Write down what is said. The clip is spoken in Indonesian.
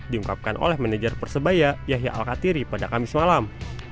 diungkapkan oleh manajer persebaya yahya al katiri pada kamis malam